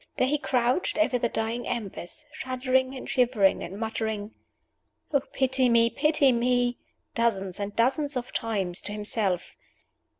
There he crouched over the dying embers, shuddering and shivering, and muttering, "Oh, pity me, pity me!" dozens and dozens of times to himself.